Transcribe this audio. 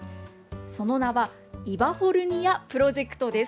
その名はイバフォルニア・プロジェクトです。